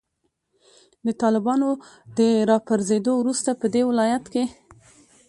د طالبانو د راپرزیدو وروسته پدې ولایت کې